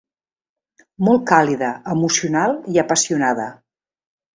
Molt càlida, emocional i apassionada.